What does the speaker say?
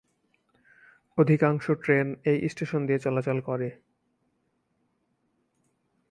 অধিকাংশ ট্রেন এই স্টেশন দিয়ে চলাচল করে।